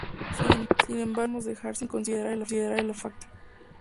Sin embargo, no podemos dejar sin considerar el factor arte.